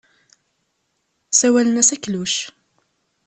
Sawalen-as akluc.